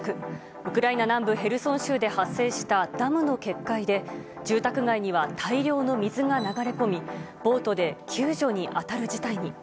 ウクライナ南部ヘルソン州で発生したダムの決壊で住宅街には大量の水が流れ込みボートで救助に当たる事態に。